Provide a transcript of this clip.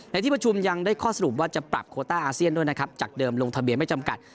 ที่ประชุมยังได้ข้อสรุปว่าจะปรับโคต้าอาเซียนด้วยนะครับจากเดิมลงทะเบียนไม่จำกัด